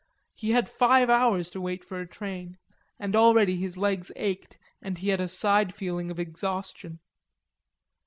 He had five hours to wait for a train, and already his legs ached and he had a side feeling of exhaustion.